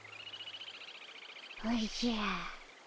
おじゃ。